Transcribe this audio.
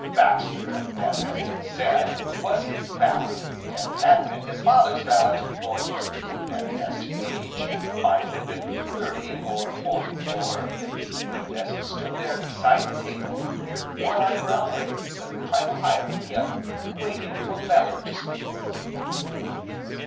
Baxter as has been said, was his valet, and had been his father's valet, before him, and as to age, might have been thirty, or forty, or fifty, as he stood there beside the table, with one eye brow raised a trifle higher than the other, waiting for Bellew to speak.